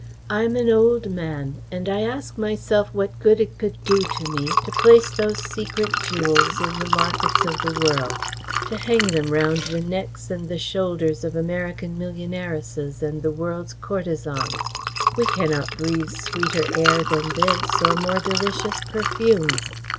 I am an old man, and I ask myself what good could it do to me to place those secret jewels in the markets of the world, to hang them round the necks and the shoulders of American millionairesses and the world's courtesanes? We cannot breathe sweeter air than this, or more delicious perfumes.